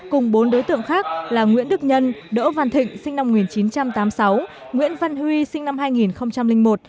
cùng bốn đối tượng khác là nguyễn đức nhân đỗ văn thịnh sinh năm một nghìn chín trăm tám mươi sáu nguyễn văn huy sinh năm hai nghìn một